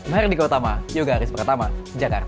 mardi kautama yogaris pertama jakarta